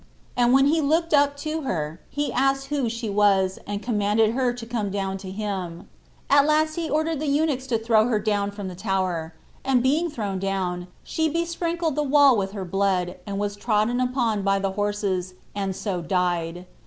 And when he looked up to her, he asked who she was, and commanded her to come down to him. At last he ordered the eunuchs to throw her down from the tower; and being thrown down, she be sprinkled the wall with her blood, and was trodden upon by the horses, and so died.